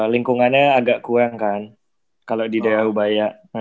lingkungannya agak kurang kan kalo di daerah urbaya